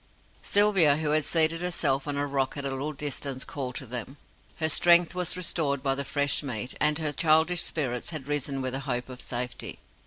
Sylvia, who had seated herself on a rock at a little distance, called to them. Her strength was restored by the fresh meat, and her childish spirits had risen with the hope of safety.